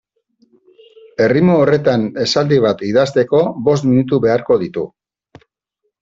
Erritmo horretan esaldi bat idazteko bost minutu beharko ditu.